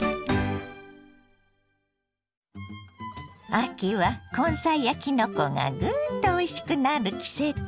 秋は根菜やきのこがグンとおいしくなる季節。